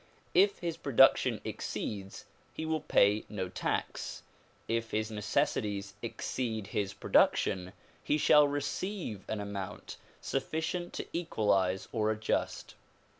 If his production exceeds he will pay no tax ; if his necessities exceed his production he shall receive an amount sufficient to equalize or adjust.